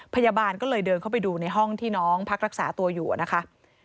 พยาบาลก็เลยเดินเข้าไปดูในห้องที่น้องพักรักษาตัวอยู่นะคะ